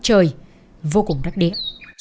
trời vô cùng đắt đĩa